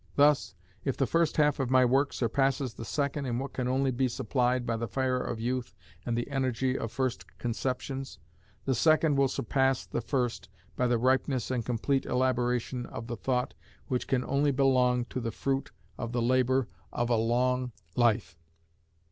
Thus, if the first half of my work surpasses the second in what can only be supplied by the fire of youth and the energy of first conceptions, the second will surpass the first by the ripeness and complete elaboration of the thought which can only belong to the fruit of the labour of a long life.